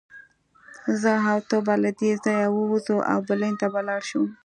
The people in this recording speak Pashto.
زه او ته به له دې ځایه ووځو او برلین ته به لاړ شو